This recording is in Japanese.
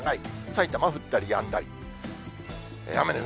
さいたまは降ったりやんだり。